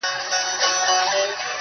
باد را الوتی، له شبِ ستان دی~